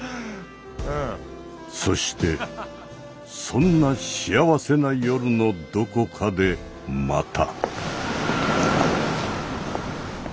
そしてそんな幸せな夜のどこかでまた。